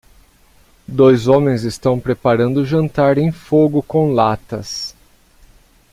Dois homens estão preparando o jantar em fogo com latas.